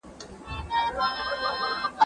زه پرون ليک ولوست!